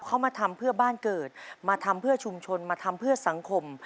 เขามาทำเพื่อบ้านเกิดมาทำเพื่อชุมชนมาทำเพื่อสังคม